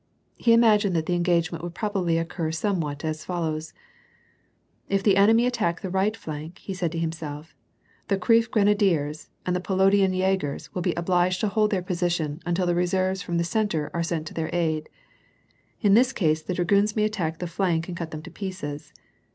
He imagined that the engagement would probably occur somewhat as follows :—" If the enemy attack the right flank," said he to himself, " The Kief grenadiers and the Podolian jagers will be obliged to hold their position until the reserves from the centre are sent to their aid. In this case, the dragoons may attack the flank and cut them to pieces.